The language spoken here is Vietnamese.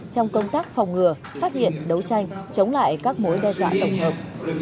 trong công tác phòng ngừa phát hiện đấu tranh chống lại các mối đe dọa tổng hợp